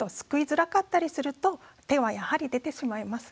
づらかったりすると手はやはり出てしまいます。